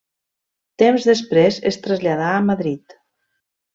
Temps després es traslladà a Madrid.